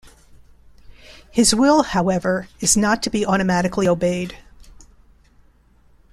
His will, however, is not to be automatically obeyed.